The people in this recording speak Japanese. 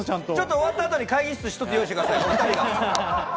終わったあと、会議室を１つ用意してください。